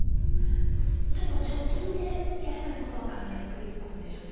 そうすると直近でやるということは考えにくいということでしょうか。